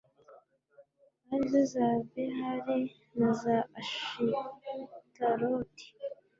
ari zo za behali na za ashitaroti